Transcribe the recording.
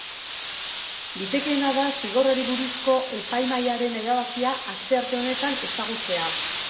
Litekeena da zigorrari buruzko epaimahaiaren erabakia astearte honetan ezagutzea.